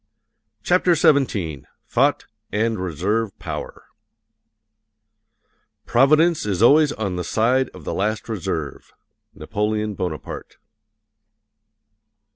CHAPTER XVII THOUGHT AND RESERVE POWER Providence is always on the side of the last reserve. NAPOLEON BONAPARTE.